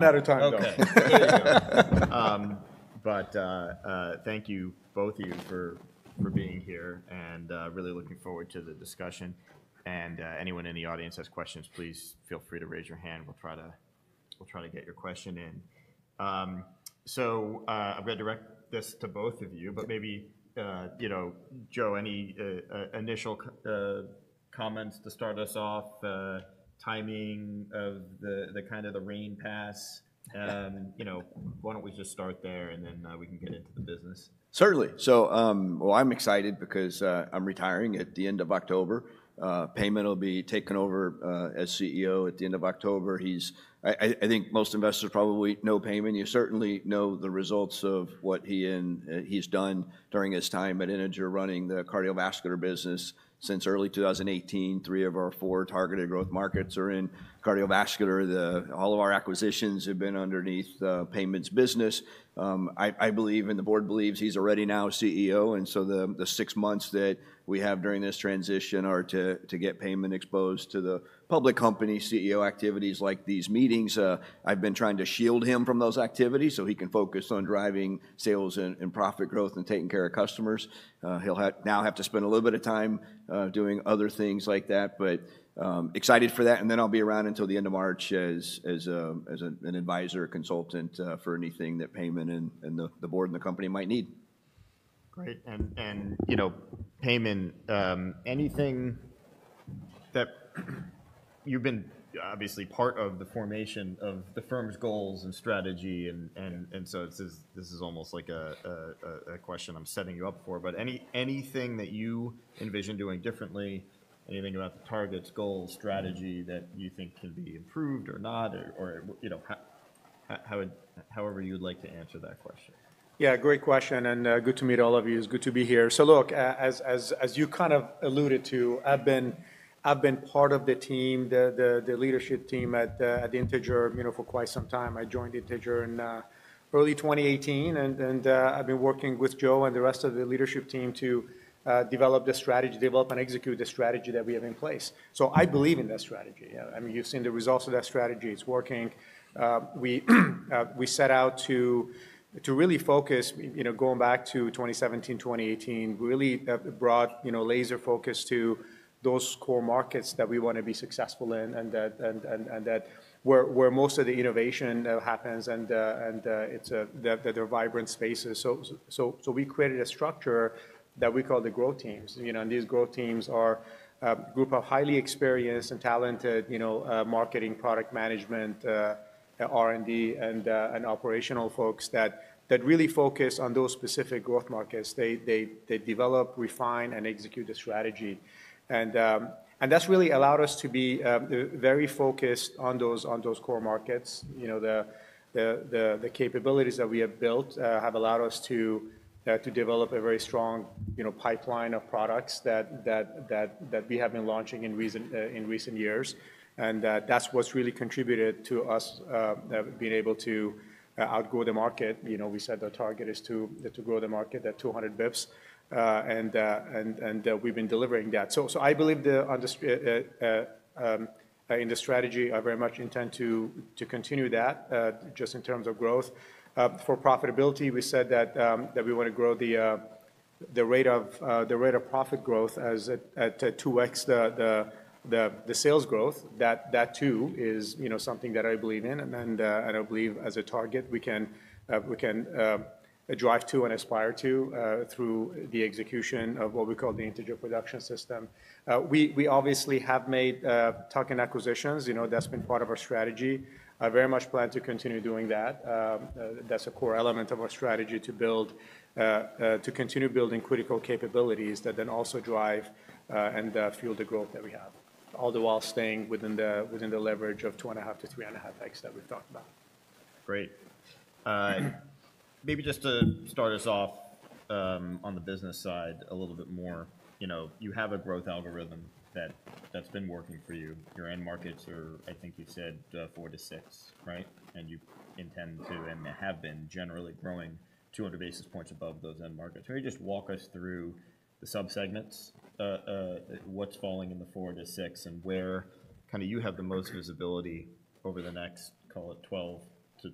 Not a tone, though. Okay. Thank you, both of you, for being here, and really looking forward to the discussion. Anyone in the audience has questions, please feel free to raise your hand. We'll try to get your question in. I'm going to direct this to both of you, but maybe, you know, Joe, any initial comments to start us off? Timing of the kind of the reign pass? Why don't we just start there, and then we can get into the business? Certainly. I am excited because I am retiring at the end of October. Payman will be taking over as CEO at the end of October. I think most investors probably know Payman. You certainly know the results of what he has done during his time at Integer running the cardiovascular business since early 2018. Three of our four targeted growth markets are in cardiovascular. All of our acquisitions have been underneath Payman's business. I believe, and the board believes, he is already now CEO. The six months that we have during this transition are to get Payman exposed to the public company CEO activities like these meetings. I have been trying to shield him from those activities so he can focus on driving sales and profit growth and taking care of customers. He will now have to spend a little bit of time doing other things like that, but excited for that. I'll be around until the end of March as an advisor or consultant for anything that Payman and the board and the company might need. Great. Payman, anything that you've been obviously part of the formation of the firm's goals and strategy, and so this is almost like a question I'm setting you up for, but anything that you envision doing differently, anything about the targets, goals, strategy that you think can be improved or not, or however you'd like to answer that question? Yeah, great question, and good to meet all of you. It's good to be here. Look, as you kind of alluded to, I've been part of the team, the leadership team at Integer, you know, for quite some time. I joined Integer in early 2018, and I've been working with Joe and the rest of the leadership team to develop the strategy, develop and execute the strategy that we have in place. I believe in that strategy. I mean, you've seen the results of that strategy. It's working. We set out to really focus, you know, going back to 2017, 2018, really brought laser focus to those core markets that we want to be successful in and that where most of the innovation happens and that they're vibrant spaces. We created a structure that we call the growth teams. You know, and these growth teams are a group of highly experienced and talented, you know, marketing, product management, R&D, and operational folks that really focus on those specific growth markets. They develop, refine, and execute the strategy. That has really allowed us to be very focused on those core markets. You know, the capabilities that we have built have allowed us to develop a very strong pipeline of products that we have been launching in recent years. That is what has really contributed to us being able to outgrow the market. You know, we said the target is to grow the market, that 200 bps, and we have been delivering that. I believe in the strategy, I very much intend to continue that just in terms of growth. For profitability, we said that we want to grow the rate of profit growth at 2x the sales growth. That too is something that I believe in, and I believe as a target we can drive to and aspire to through the execution of what we call the Integer Production System. We obviously have made token acquisitions. You know, that's been part of our strategy. I very much plan to continue doing that. That's a core element of our strategy to continue building critical capabilities that then also drive and fuel the growth that we have, all the while staying within the leverage of 2.5x-3.5x that we've talked about. Great. Maybe just to start us off on the business side a little bit more. You have a growth algorithm that's been working for you. Your end markets are, I think you said, 4%-6%, right? And you intend to and have been generally growing 200 basis points above those end markets. Can you just walk us through the subsegments, what's falling in the 4%-6%, and where kind of you have the most visibility over the next, call it, 12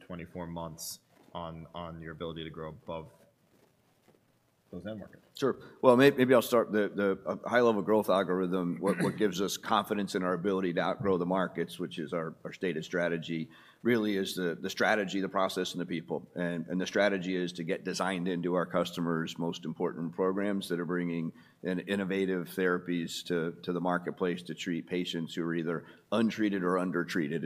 months-24 months on your ability to grow above those end markets? Sure. Maybe I'll start the high-level growth algorithm. What gives us confidence in our ability to outgrow the markets, which is our stated strategy, really is the strategy, the process, and the people. The strategy is to get designed into our customers' most important programs that are bringing innovative therapies to the marketplace to treat patients who are either untreated or undertreated.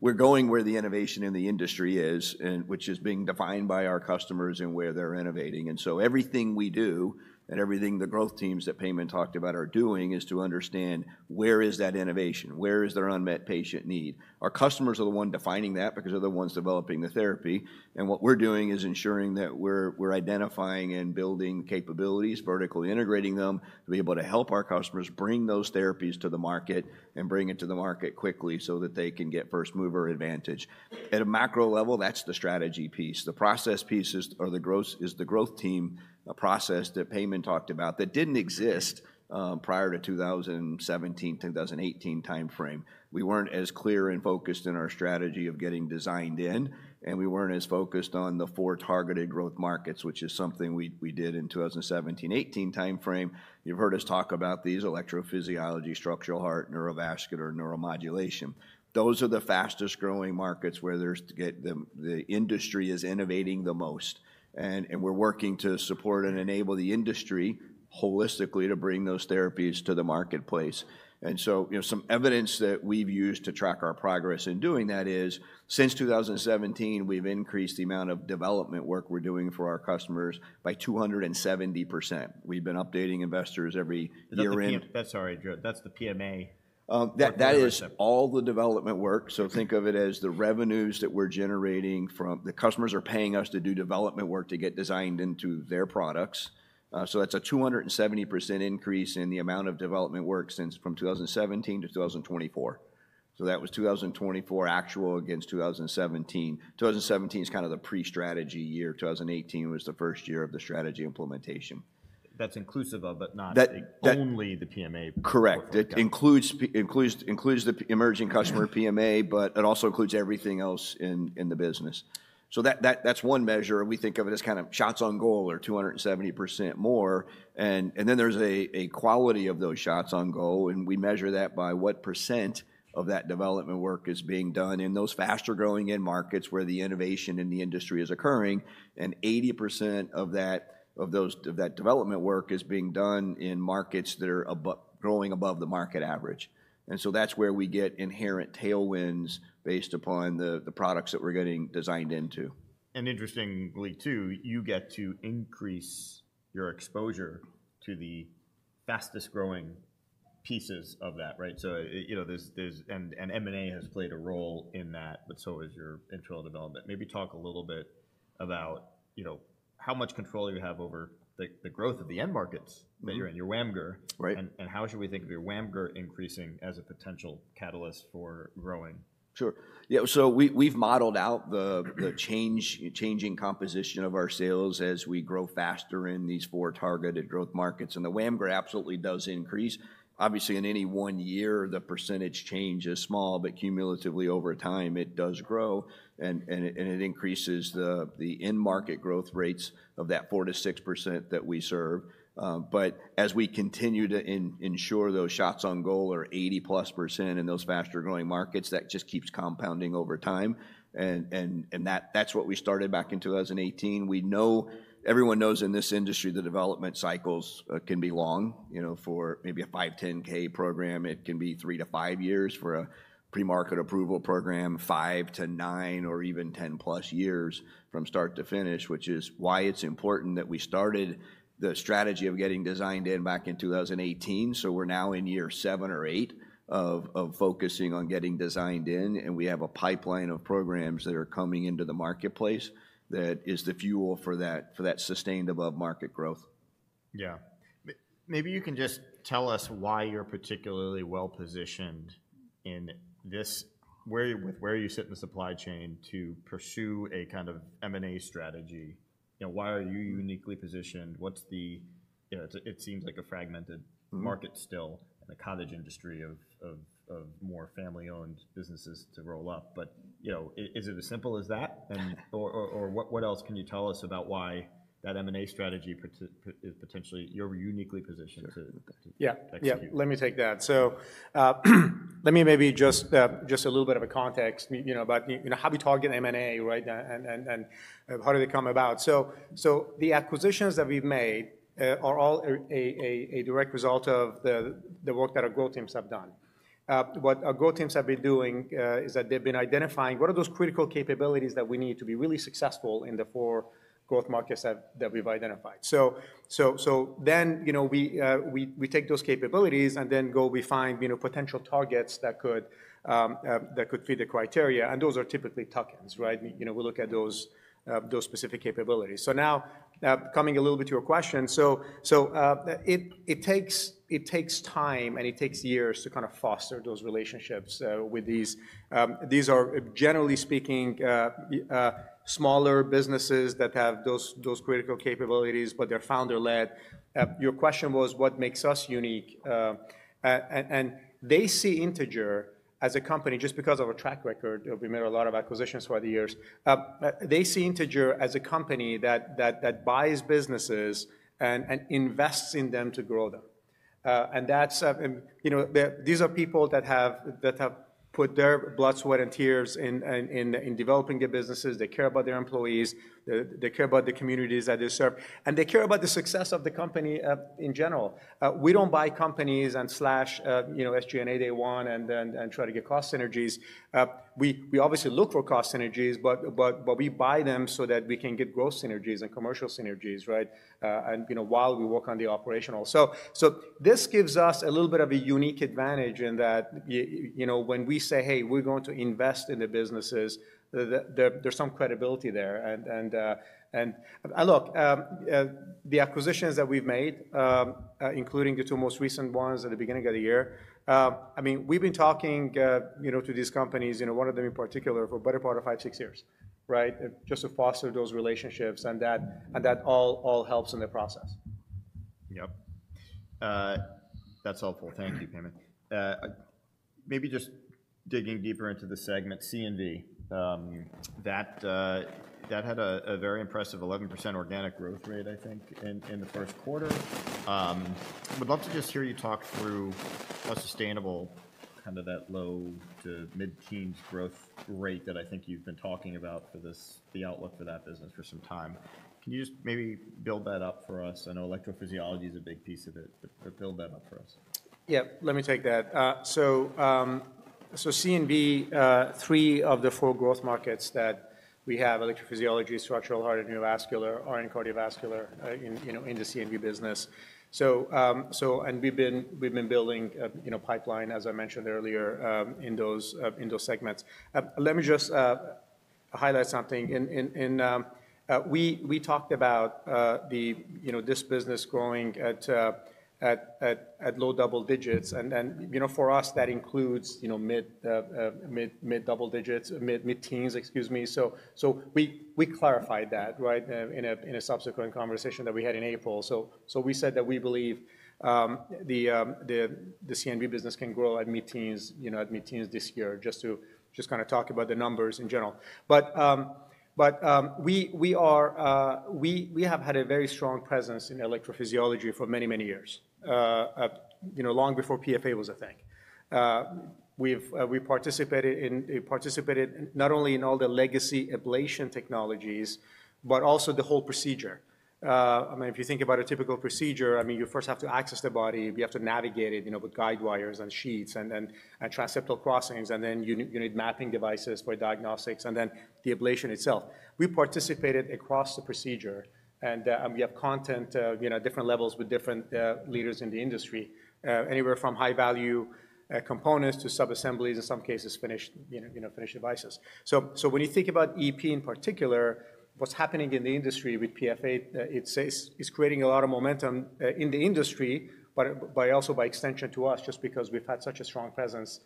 We are going where the innovation in the industry is, which is being defined by our customers and where they're innovating. Everything we do and everything the growth teams that Payman talked about are doing is to understand where is that innovation, where is their unmet patient need. Our customers are the ones defining that because they're the ones developing the therapy. What we're doing is ensuring that we're identifying and building capabilities, vertically integrating them to be able to help our customers bring those therapies to the market and bring it to the market quickly so that they can get first-mover advantage. At a macro level, that's the strategy piece. The process piece is the growth team process that Payman talked about that didn't exist prior to 2017-2018 timeframe. We weren't as clear and focused in our strategy of getting designed in, and we weren't as focused on the four targeted growth markets, which is something we did in 2017-2018 timeframe. You've heard us talk about these: electrophysiology, structural heart, neurovascular, neuromodulation. Those are the fastest-growing markets where the industry is innovating the most. We're working to support and enable the industry holistically to bring those therapies to the marketplace. Some evidence that we've used to track our progress in doing that is since 2017, we've increased the amount of development work we're doing for our customers by 270%. We've been updating investors every year in. That's the PMA? That is all the development work. Think of it as the revenues that we're generating from the customers are paying us to do development work to get designed into their products. That is a 270% increase in the amount of development work from 2017 to 2024. That was 2024 actual against 2017. 2017 is kind of the pre-strategy year. 2018 was the first year of the strategy implementation. That's inclusive of, but not only the PMA? Correct. It includes the emerging customer PMA, but it also includes everything else in the business. That's one measure. We think of it as kind of shots on goal or 270% more. There's a quality of those shots on goal. We measure that by what percent of that development work is being done in those faster-growing end markets where the innovation in the industry is occurring, and 80% of that development work is being done in markets that are growing above the market average. That's where we get inherent tailwinds based upon the products that we're getting designed into. Interestingly too, you get to increase your exposure to the fastest-growing pieces of that, right? You know M&A has played a role in that, but so has your internal development. Maybe talk a little bit about how much control you have over the growth of the end markets that you're in, your [WAMGER]. And how should we think of your [WAMGER] increasing as a potential catalyst for growing? Sure. Yeah, so we've modeled out the changing composition of our sales as we grow faster in these four targeted growth markets. The WAMGER absolutely does increase. Obviously, in any one year, the percentage change is small, but cumulatively over time, it does grow, and it increases the end market growth rates of that 4%-6% that we serve. As we continue to ensure those shots on goal are 80%+ in those faster-growing markets, that just keeps compounding over time. That's what we started back in 2018. Everyone knows in this industry the development cycles can be long. You know, for maybe a 510(k) program, it can be three to five years; for a pre-market approval program, 5years-9years or even 10+ years from start to finish, which is why it's important that we started the strategy of getting designed in back in 2018. We're now in year seven or eight of focusing on getting designed in, and we have a pipeline of programs that are coming into the marketplace that is the fuel for that sustained above-market growth. Yeah. Maybe you can just tell us why you're particularly well-positioned in this, where you sit in the supply chain to pursue a kind of M&A strategy. You know, why are you uniquely positioned? It seems like a fragmented market still, and the cottage industry of more family-owned businesses to roll up. You know, is it as simple as that? What else can you tell us about why that M&A strategy is potentially you're uniquely positioned to execute? Yeah, let me take that. Let me maybe just a little bit of a context, you know, about how we target M&A, right, and how do they come about. The acquisitions that we've made are all a direct result of the work that our growth teams have done. What our growth teams have been doing is that they've been identifying what are those critical capabilities that we need to be really successful in the four growth markets that we've identified. We take those capabilities and then go refine potential targets that could fit the criteria. Those are typically tokens, right? You know, we look at those specific capabilities. Now coming a little bit to your question, it takes time and it takes years to kind of foster those relationships with these. These are, generally speaking, smaller businesses that have those critical capabilities, but they're founder-led. Your question was, what makes us unique? They see Integer as a company, just because of our track record, we made a lot of acquisitions throughout the years. They see Integer as a company that buys businesses and invests in them to grow them. You know, these are people that have put their blood, sweat, and tears in developing their businesses. They care about their employees. They care about the communities that they serve. They care about the success of the company in general. We do not buy companies and slash SG&A day one and try to get cost synergies. We obviously look for cost synergies, but we buy them so that we can get growth synergies and commercial synergies, right? You know, while we work on the operational. This gives us a little bit of a unique advantage in that, you know, when we say, hey, we're going to invest in the businesses, there's some credibility there. Look, the acquisitions that we've made, including the two most recent ones at the beginning of the year, I mean, we've been talking to these companies, you know, one of them in particular for a better part of five, six years, right, just to foster those relationships. That all helps in the process. Yep. That's helpful. Thank you, Payman. Maybe just digging deeper into the segment, C&V. That had a very impressive 11% organic growth rate, I think, in the first quarter. Would love to just hear you talk through a sustainable kind of that low to mid-teens growth rate that I think you've been talking about for this, the outlook for that business for some time. Can you just maybe build that up for us? I know electrophysiology is a big piece of it, but build that up for us. Yeah, let me take that. C&V, three of the four growth markets that we have, electrophysiology, structural heart, and neurovascular, are in cardiovascular, you know, in the C&V business. We have been building a pipeline, as I mentioned earlier, in those segments. Let me just highlight something. We talked about this business growing at low double digits. You know, for us, that includes mid-double digits, mid-teens, excuse me. We clarified that, right, in a subsequent conversation that we had in April. We said that we believe the C&V business can grow at mid-teens this year, just to just kind of talk about the numbers in general. We have had a very strong presence in electrophysiology for many, many years, you know, long before PFA was a thing. We have participated not only in all the legacy ablation technologies, but also the whole procedure. I mean, if you think about a typical procedure, I mean, you first have to access the body. You have to navigate it, you know, with guidewires and sheaths and transseptal crossings. And then you need mapping devices for diagnostics, and then the ablation itself. We participated across the procedure, and we have content at different levels with different leaders in the industry, anywhere from high-value components to sub-assemblies, in some cases, finished devices. When you think about EP in particular, what's happening in the industry with PFA, it's creating a lot of momentum in the industry, but also by extension to us, just because we've had such a strong presence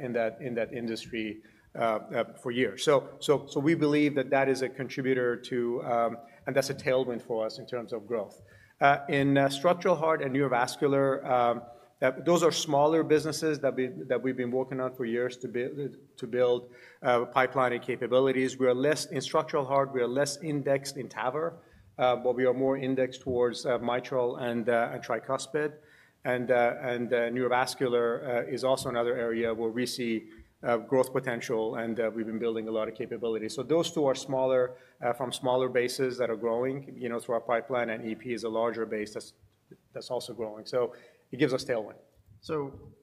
in that industry for years. We believe that that is a contributor to, and that's a tailwind for us in terms of growth. In structural heart and neurovascular, those are smaller businesses that we've been working on for years to build pipeline and capabilities. In structural heart, we are less indexed in TAVR, but we are more indexed towards mitral and tricuspid. Neurovascular is also another area where we see growth potential, and we've been building a lot of capabilities. Those two are smaller from smaller bases that are growing, you know, through our pipeline, and EP is a larger base that's also growing. It gives us tailwind.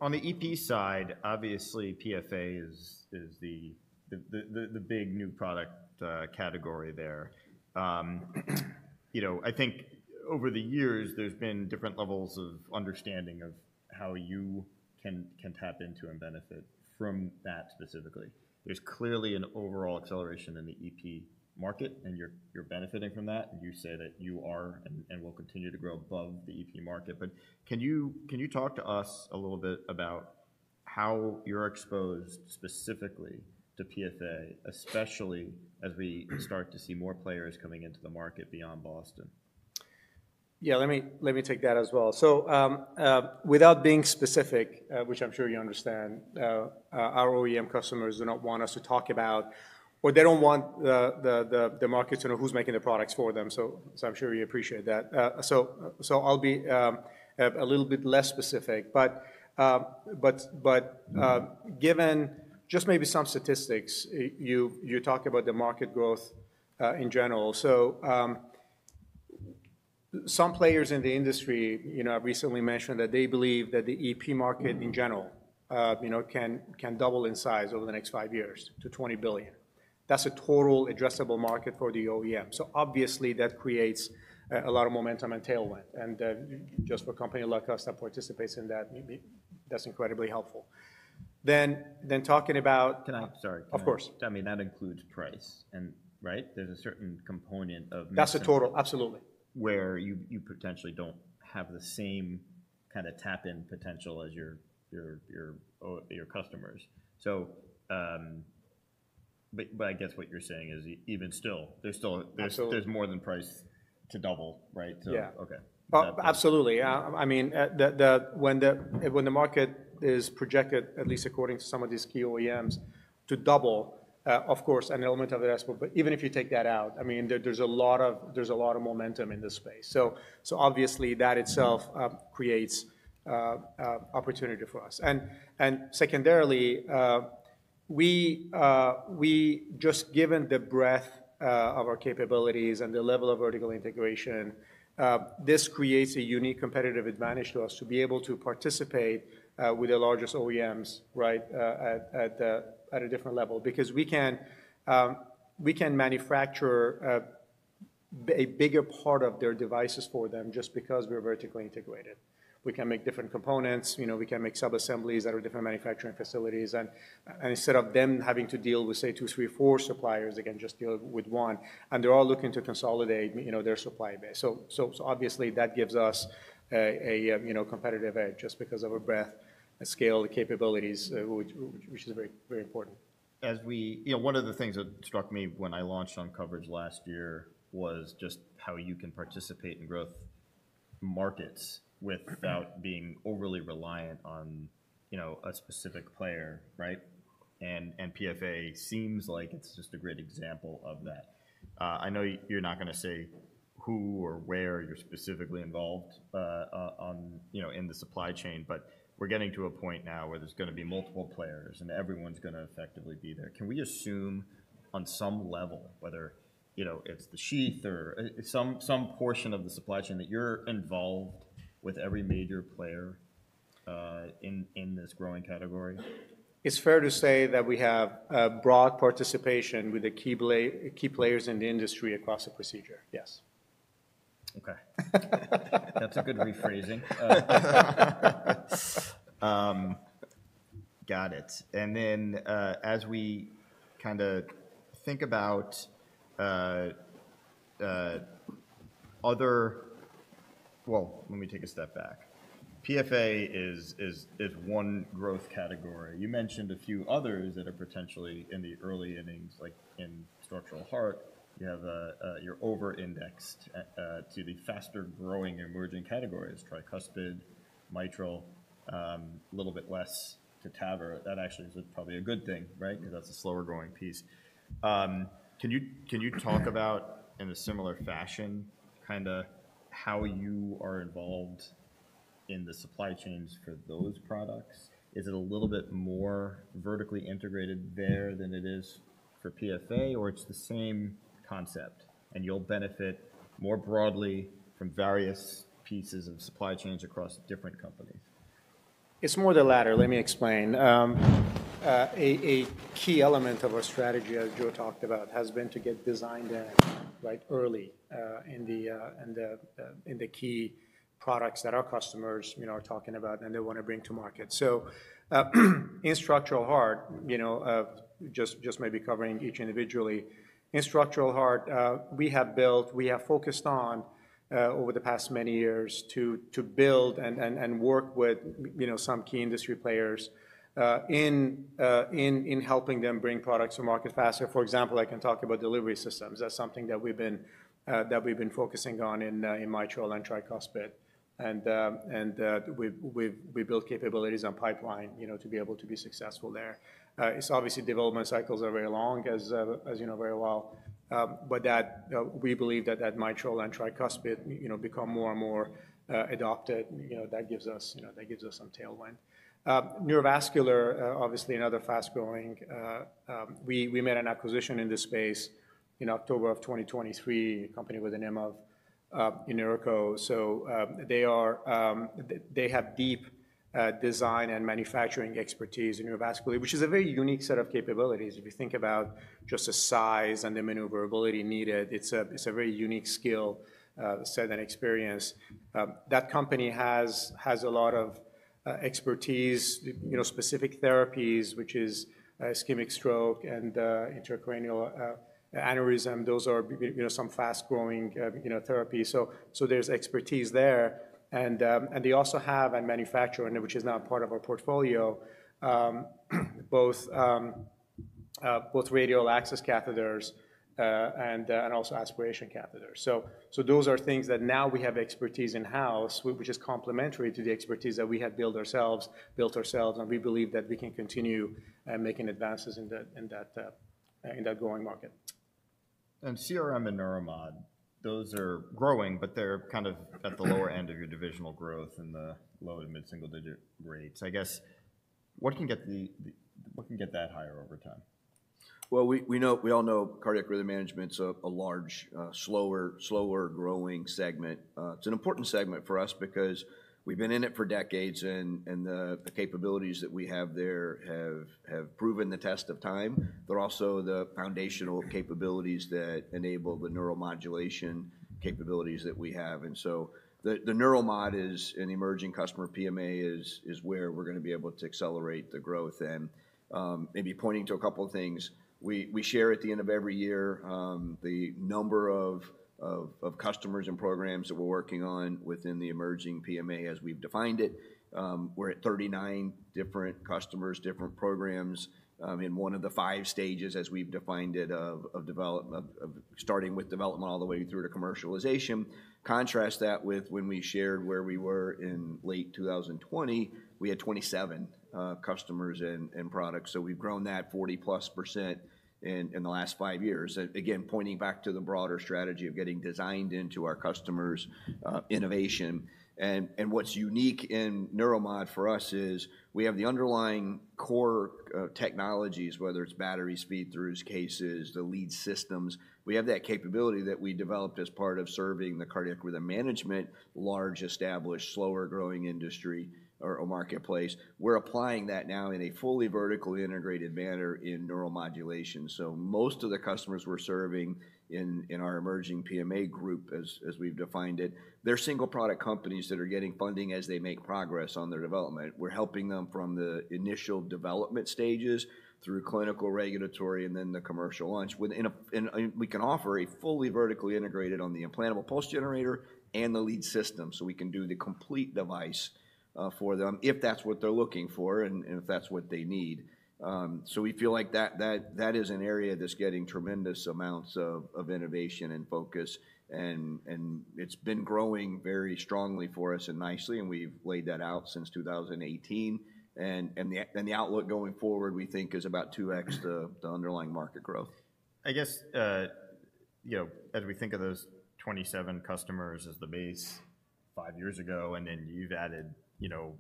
On the EP side, obviously, PFA is the big new product category there. You know, I think over the years, there's been different levels of understanding of how you can tap into and benefit from that specifically. There's clearly an overall acceleration in the EP market, and you're benefiting from that. You say that you are and will continue to grow above the EP market. Can you talk to us a little bit about how you're exposed specifically to PFA, especially as we start to see more players coming into the market beyond Boston? Yeah, let me take that as well. Without being specific, which I'm sure you understand, our OEM customers do not want us to talk about, or they do not want the market to know who is making the products for them. I'm sure you appreciate that. I'll be a little bit less specific. Given just maybe some statistics, you talk about the market growth in general. Some players in the industry, you know, have recently mentioned that they believe that the EP market in general, you know, can double in size over the next five years to $20 billion. That is a total addressable market for the OEM. Obviously, that creates a lot of momentum and tailwind. Just for a company like us that participates in that, that is incredibly helpful. Then talking about. Can I? Sorry. Of course. I mean, that includes price, right? There's a certain component of. That's a total, absolutely. Where you potentially don't have the same kind of tap-in potential as your customers. I guess what you're saying is even still, there's more than price to double, right? Yeah, absolutely. I mean, when the market is projected, at least according to some of these key OEMs, to double, of course, an element of that, but even if you take that out, I mean, there's a lot of momentum in this space. Obviously, that itself creates opportunity for us. Secondarily, just given the breadth of our capabilities and the level of vertical integration, this creates a unique competitive advantage to us to be able to participate with the largest OEMs, right, at a different level. Because we can manufacture a bigger part of their devices for them just because we're vertically integrated. We can make different components. You know, we can make sub-assemblies that are different manufacturing facilities. Instead of them having to deal with, say, two, three, four suppliers, they can just deal with one. They are all looking to consolidate, you know, their supply base. Obviously, that gives us a competitive edge just because of our breadth, scale, capabilities, which is very important. As we, you know, one of the things that struck me when I launched on coverage last year was just how you can participate in growth markets without being overly reliant on, you know, a specific player, right? PFA seems like it's just a great example of that. I know you're not going to say who or where you're specifically involved in the supply chain, but we're getting to a point now where there's going to be multiple players and everyone's going to effectively be there. Can we assume on some level, whether, you know, it's the sheath or some portion of the supply chain that you're involved with every major player in this growing category? It's fair to say that we have broad participation with the key players in the industry across the procedure, yes. Okay. That's a good rephrasing. Got it. And then as we kind of think about other, well, let me take a step back. PFA is one growth category. You mentioned a few others that are potentially in the early innings, like in structural heart, you have you're over-indexed to the faster growing emerging categories, tricuspid, mitral, a little bit less to TAVR. That actually is probably a good thing, right? Because that's a slower growing piece. Can you talk about, in a similar fashion, kind of how you are involved in the supply chains for those products? Is it a little bit more vertically integrated there than it is for PFA, or it's the same concept and you'll benefit more broadly from various pieces of supply chains across different companies? It's more the latter. Let me explain. A key element of our strategy, as Joe talked about, has been to get designed in, right, early in the key products that our customers, you know, are talking about and they want to bring to market. In structural heart, you know, just maybe covering each individually, in structural heart, we have built, we have focused on over the past many years to build and work with, you know, some key industry players in helping them bring products to market faster. For example, I can talk about delivery systems. That's something that we've been focusing on in mitral and tricuspid. And we built capabilities on pipeline, you know, to be able to be successful there. It's obviously development cycles are very long, as you know very well. We believe that that mitral and tricuspid, you know, become more and more adopted. You know, that gives us, you know, that gives us some tailwind. Neurovascular, obviously another fast-growing, we made an acquisition in this space in October of 2023, a company with the name of INNERCO. So they have deep design and manufacturing expertise in neurovascular, which is a very unique set of capabilities. If you think about just the size and the maneuverability needed, it's a very unique skill set and experience. That company has a lot of expertise, you know, specific therapies, which is ischemic stroke and intracranial aneurysm. Those are, you know, some fast-growing therapies. So there's expertise there. And they also have and manufacture, which is now part of our portfolio, both radial access catheters and also aspiration catheters. Those are things that now we have expertise in-house, which is complementary to the expertise that we have built ourselves, built ourselves. We believe that we can continue making advances in that growing market. CRM and Neuromod, those are growing, but they're kind of at the lower end of your divisional growth in the low to mid-single-digit rates. I guess, what can get that higher over time? Cardiac rhythm management is a large, slower-growing segment. It's an important segment for us because we've been in it for decades, and the capabilities that we have there have proven the test of time. They're also the foundational capabilities that enable the neuromodulation capabilities that we have. The Neuromod is an emerging customer. PMA is where we're going to be able to accelerate the growth. Maybe pointing to a couple of things, we share at the end of every year the number of customers and programs that we're working on within the emerging PMA as we've defined it. We're at 39 different customers, different programs in one of the five stages as we've defined it of starting with development all the way through to commercialization. Contrast that with when we shared where we were in late 2020, we had 27 customers and products. We've grown that 40%+ in the last five years. Again, pointing back to the broader strategy of getting designed into our customers' innovation. What's unique in Neuromod for us is we have the underlying core technologies, whether it's battery speed through cases, the lead systems. We have that capability that we developed as part of serving the cardiac rhythm management, large established, slower-growing industry or marketplace. We're applying that now in a fully vertically integrated manner in neuromodulation. Most of the customers we're serving in our emerging PMA group, as we've defined it, they're single-product companies that are getting funding as they make progress on their development. We're helping them from the initial development stages through clinical, regulatory, and then the commercial launch. We can offer a fully vertically integrated on the implantable pulse generator and the lead system. We can do the complete device for them if that is what they are looking for and if that is what they need. We feel like that is an area that is getting tremendous amounts of innovation and focus. It has been growing very strongly for us and nicely. We have laid that out since 2018. The outlook going forward, we think, is about 2x the underlying market growth. I guess, you know, as we think of those 27 customers as the base five years ago, and then you've added, you know,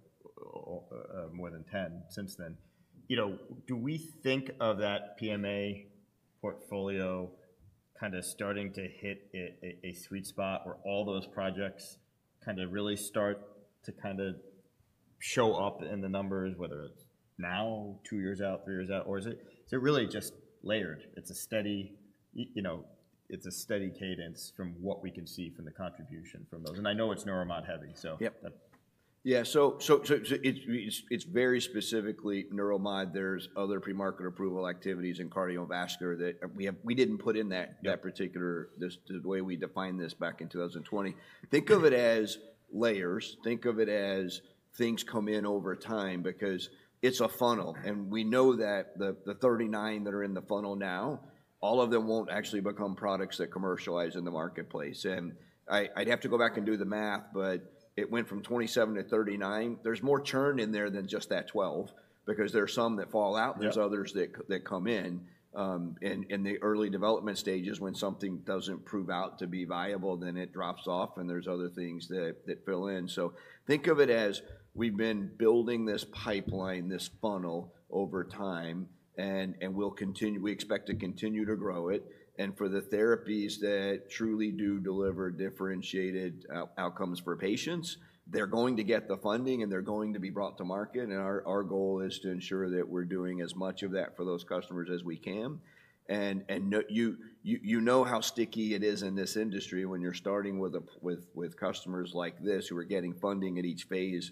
more than 10 since then, you know, do we think of that PMA portfolio kind of starting to hit a sweet spot where all those projects kind of really start to kind of show up in the numbers, whether it's now, two years out, three years out, or is it really just layered? It's a steady, you know, it's a steady cadence from what we can see from the contribution from those. I know it's Neuromod heavy, so. Yeah, so it's very specifically Neuromod. There's other pre-market approval activities in cardiovascular that we didn't put in that particular, the way we defined this back in 2020. Think of it as layers. Think of it as things come in over time because it's a funnel. We know that the 39 that are in the funnel now, all of them won't actually become products that commercialize in the marketplace. I'd have to go back and do the math, but it went from 27 to 39. There's more churn in there than just that 12 because there are some that fall out. There's others that come in. In the early development stages, when something doesn't prove out to be viable, then it drops off and there's other things that fill in. Think of it as we've been building this pipeline, this funnel over time, and we expect to continue to grow it. For the therapies that truly do deliver differentiated outcomes for patients, they're going to get the funding and they're going to be brought to market. Our goal is to ensure that we're doing as much of that for those customers as we can. You know how sticky it is in this industry when you're starting with customers like this who are getting funding at each phase.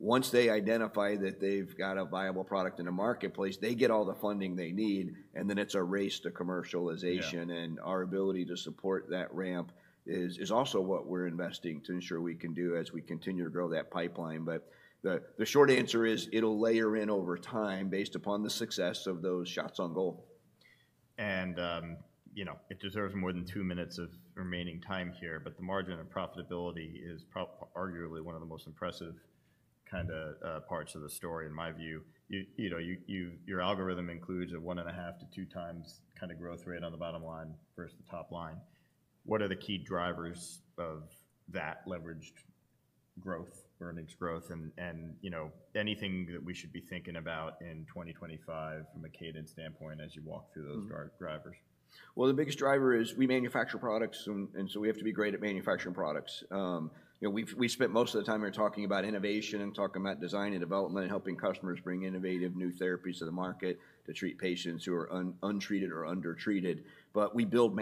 Once they identify that they've got a viable product in a marketplace, they get all the funding they need, and then it's a race to commercialization. Our ability to support that ramp is also what we're investing to ensure we can do as we continue to grow that pipeline. The short answer is it'll layer in over time based upon the success of those shots on goal. You know, it deserves more than two minutes of remaining time here, but the margin of profitability is arguably one of the most impressive kind of parts of the story in my view. You know, your algorithm includes a 1.5x-2x kind of growth rate on the bottom line versus the top line. What are the key drivers of that leveraged growth, earnings growth, and, you know, anything that we should be thinking about in 2025 from a cadence standpoint as you walk through those drivers? The biggest driver is we manufacture products, and so we have to be great at manufacturing products. You know, we spent most of the time here talking about innovation and talking about design and development and helping customers bring innovative new therapies to the market to treat patients who are untreated or undertreated. But we build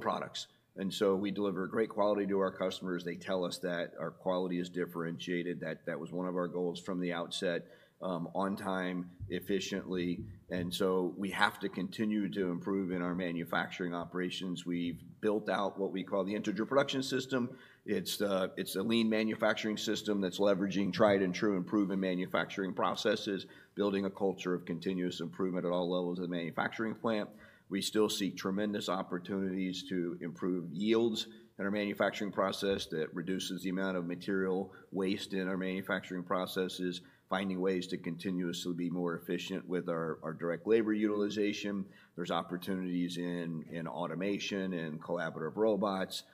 products. And so we deliver great quality to our customers. They tell us that our quality is differentiated. That was one of our goals from the outset, on time, efficiently. And so we have to continue to improve in our manufacturing operations. We've built out what we call the Integer Production System. It's a lean manufacturing system that's leveraging tried and true improving manufacturing processes, building a culture of continuous improvement at all levels of the manufacturing plant. We still see tremendous opportunities to improve yields in our manufacturing process that reduces the amount of material waste in our manufacturing processes, finding ways to continuously be more efficient with our direct labor utilization. There are opportunities in automation and collaborative robots.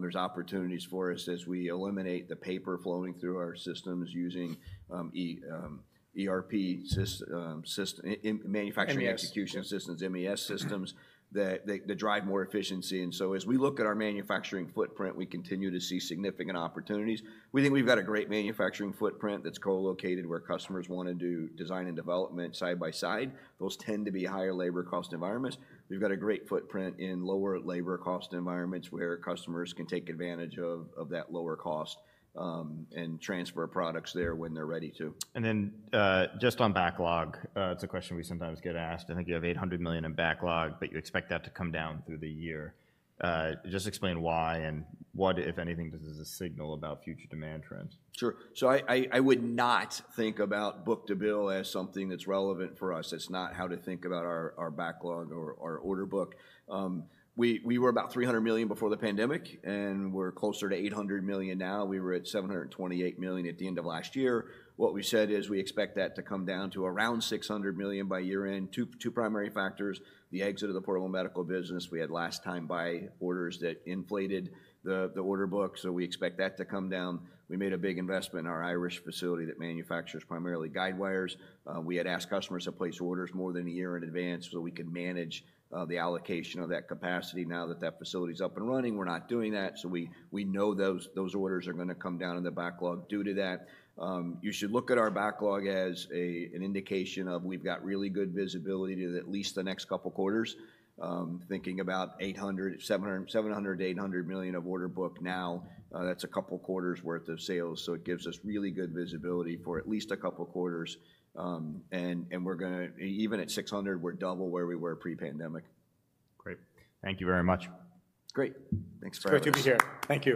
There are opportunities for us as we eliminate the paper flowing through our systems using ERP systems, manufacturing execution systems, MES systems that drive more efficiency. As we look at our manufacturing footprint, we continue to see significant opportunities. We think we've got a great manufacturing footprint that's co-located where customers want to do design and development side by side. Those tend to be higher labor cost environments. We've got a great footprint in lower labor cost environments where customers can take advantage of that lower cost and transfer products there when they're ready to. Just on backlog, it's a question we sometimes get asked. I think you have $800 million in backlog, but you expect that to come down through the year. Just explain why and what, if anything, does this signal about future demand trends? Sure. I would not think about book to bill as something that's relevant for us. It's not how to think about our backlog or our order book. We were about $300 million before the pandemic, and we're closer to $800 million now. We were at $728 million at the end of last year. What we said is we expect that to come down to around $600 million by year-end. Two primary factors: the exit of the portable medical business we had last time by orders that inflated the order book. We expect that to come down. We made a big investment in our Ireland facility that manufactures primarily guidewires. We had asked customers to place orders more than a year in advance so we could manage the allocation of that capacity. Now that that facility is up and running, we're not doing that. We know those orders are going to come down in the backlog due to that. You should look at our backlog as an indication of we've got really good visibility to at least the next couple of quarters. Thinking about $700 million-$800 million of order book now, that's a couple of quarters' worth of sales. It gives us really good visibility for at least a couple of quarters. We're going to, even at $600 million, we're double where we were pre-pandemic. Great. Thank you very much. Great. Thanks for having us. Great to be here. Thank you.